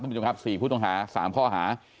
คุณผู้ชมครับสี่ผู้ทุกทั้งหาสามข้อหา